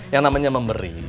yang namanya memberi